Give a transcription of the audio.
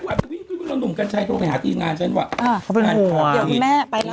กลับบิล๊ังหนุ่มกันใช่เขาไปหาทีมงานฉันค่ะเขาเป็นห่วง